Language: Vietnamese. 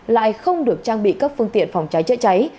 lại không được trang bị các phương tiện phòng trái chạy cháy